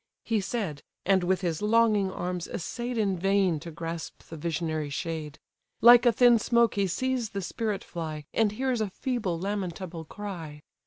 He said, and with his longing arms essay'd In vain to grasp the visionary shade! Like a thin smoke he sees the spirit fly, And hears a feeble, lamentable cry.